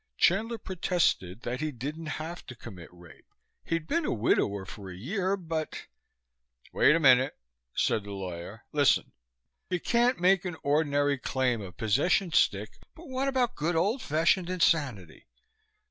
Chandler protested that he didn't have to commit rape. He'd been a widower for a year, but "Wait a minute," said the lawyer. "Listen. You can't make an ordinary claim of possession stick, but what about good old fashioned insanity?"